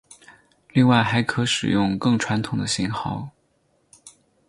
另外还可使用更传统的型号。